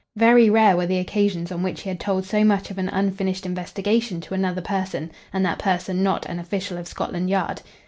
Very rare were the occasions on which he had told so much of an unfinished investigation to another person, and that person not an official of Scotland Yard.